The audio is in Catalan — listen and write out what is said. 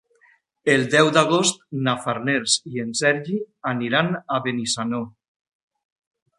El deu d'agost na Farners i en Sergi aniran a Benissanó.